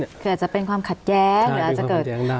คืออาจจะเป็นความขัดแย้ง